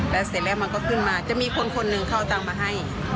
แล้วเสร็จแล้วมันก็ขึ้นมาจะมีคนคนหนึ่งเขาเอาตังค์มาให้